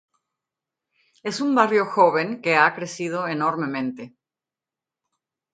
Es un barrio joven que ha crecido enormemente.